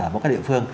mỗi cái địa phương